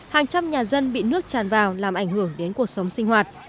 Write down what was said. hàng trăm nhà dân bị nước tràn vào làm ảnh hưởng đến cuộc sống sinh hoạt